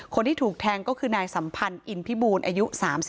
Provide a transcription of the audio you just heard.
คนที่ถูกแทงก็คือนายสัมพันธ์อินพิบูลอายุ๓๒